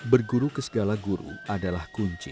berguru ke segala guru adalah kunci